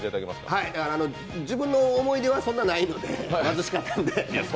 自分の思い出はそんなないので、貧しかったんで。